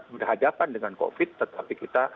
berhadapan dengan covid tetapi kita